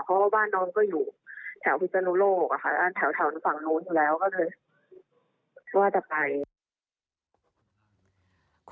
เพราะว่าว่าน้องก็อยู่แถวพิจารณโลกแถวฝั่งนู้นแล้วก็เลยว่าจะไป